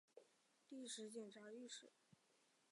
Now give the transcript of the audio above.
历官监察御史。